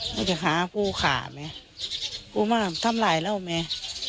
มันจะหาผู้ข่าแม่ผู้มาทำลายเราแม่